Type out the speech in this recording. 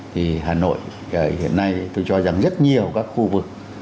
thì hà nội hiện nay tôi cho rằng rất nhiều các khu vực